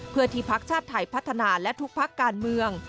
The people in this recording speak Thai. เพื่อที่พักชาติไทยพัฒนาและทุกพักการเมือง